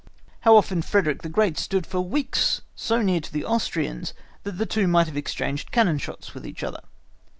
How often Frederick the Great stood for weeks so near to the Austrians, that the two might have exchanged cannon shots with each other.